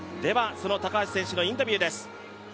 その高橋選手のインタビューです。